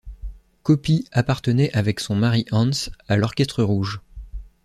Coppi appartenait avec son mari Hans à l'Orchestre rouge.